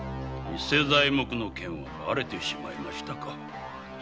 偽材木の件はバレてしまいましたか？